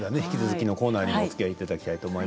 次のコーナーにもおつきあいいただきます。